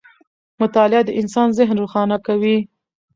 مطالعه د انسان ذهن روښانه کوي.